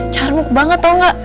carmuk banget tau gak